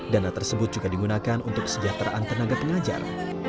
dana tersebut juga digunakan untuk kesejahteraan tenaga pengajar